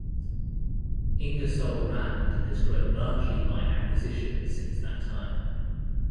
Ingersoll Rand has grown largely by acquisition since that time.